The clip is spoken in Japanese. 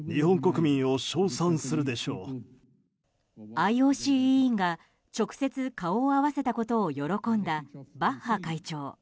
ＩＯＣ委員が直接、顔を合わせたことを喜んだバッハ会長。